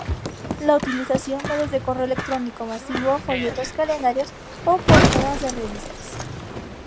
La utilización va desde correo electrónico masivo, folletos, calendarios o portadas de revistas.